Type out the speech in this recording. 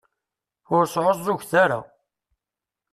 Ur sεuẓẓuget ara.